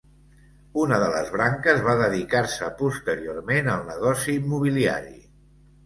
Una de les branques va dedicar-se posteriorment al negoci immobiliari.